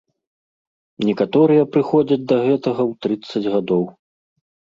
Некаторыя прыходзяць да гэтага ў трыццаць гадоў.